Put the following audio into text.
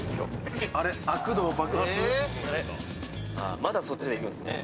まだそっちでいくんですね？